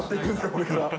これから。